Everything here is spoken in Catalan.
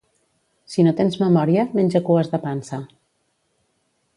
Si no tens memòria, menja cues de pansa.